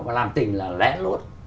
và làm tình là lẽ lốt